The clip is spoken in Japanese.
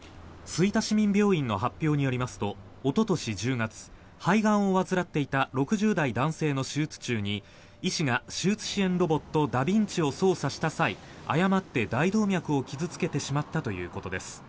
吹田市民病院の発表によりますとおととし１０月肺がんを患っていた６０代男性の手術中に医師が手術支援ロボットダヴィンチを操作した際誤って大動脈を傷付けてしまったということです。